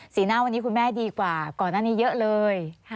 หน้าวันนี้คุณแม่ดีกว่าก่อนหน้านี้เยอะเลย